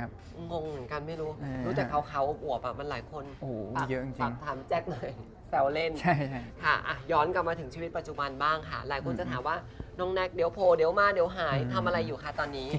ทำอะไรอยู่ค่ะตอนนี้